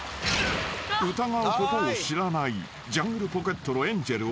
［疑うことを知らないジャングルポケットのエンジェル］